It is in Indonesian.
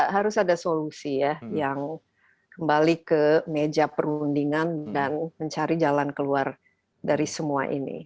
harus ada solusi ya yang kembali ke meja perundingan dan mencari jalan keluar dari semua ini